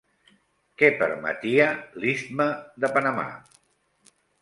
Què permetia l'istme de Panamà?